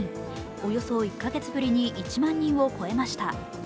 およそ１か月ぶりに１万人を超えました。